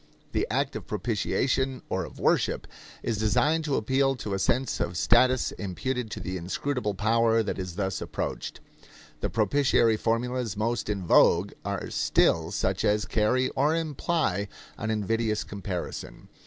The act of propitiation or of worship is designed to appeal to a sense of status imputed to the inscrutable power that is thus approached. The propitiatory formulas most in vogue are still such as carry or imply an invidious comparison.